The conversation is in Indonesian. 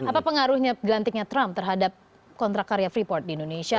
apa pengaruhnya gelantiknya trump terhadap kontrak karya freeport di indonesia